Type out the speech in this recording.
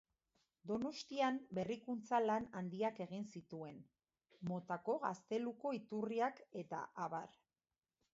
Donostian berrikuntza-lan handiak egin zituen: Motako gazteluko iturriak, eta abar.